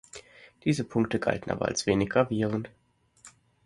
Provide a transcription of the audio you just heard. Diese Punkte galten aber als weniger gravierend.